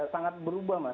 sangat berubah mas